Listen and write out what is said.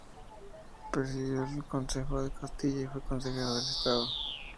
Presidió el Consejo de Castilla y fue consejero del de Estado.